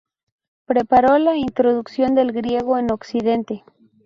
Preparó la introducción del griego en occidente.